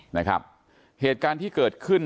นะครับเหตุการณ์ที่เกิดขึ้น